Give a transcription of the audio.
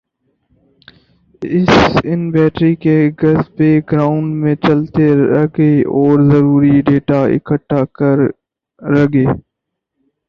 اس ان بیٹری کے گز بیک گراؤنڈ میں چلتے ر گے اور ضروری ڈیٹا اکھٹا کر ر گے